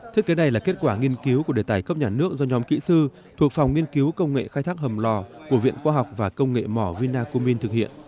thiết kế này là kết quả nghiên cứu của đề tài cấp nhà nước do nhóm kỹ sư thuộc phòng nghiên cứu công nghệ khai thác hầm lò của viện khoa học và công nghệ mỏ vinacomin thực hiện